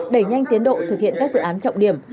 đẩy nhanh tiến độ thực hiện các dự án trọng điểm